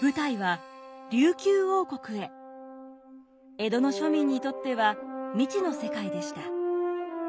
江戸の庶民にとっては未知の世界でした。